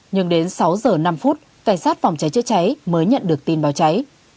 nhưng đến sáu h năm cảnh sát phòng cháy chữa cháy mới nhận được tin báo cháy